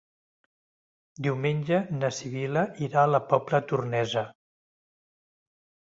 Diumenge na Sibil·la irà a la Pobla Tornesa.